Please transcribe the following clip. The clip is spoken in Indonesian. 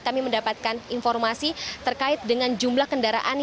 kami mendapatkan informasi terkait dengan jumlah kendaraan